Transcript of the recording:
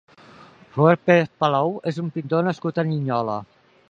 Robert Pérez Palou és un pintor nascut a Linyola.